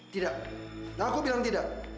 tidak aku bilang tidak